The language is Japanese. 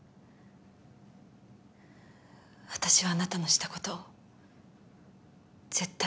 私はあなたのしたことを絶対に許さない。